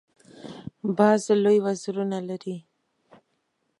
باز لوی وزرونه لري